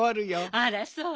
あらそう？